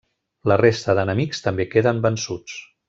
La resta d'enemics també queden vençuts.